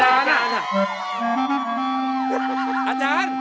แล้วคุณอาจารย์อ่ะ